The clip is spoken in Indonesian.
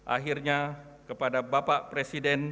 akhirnya kepada bapak presiden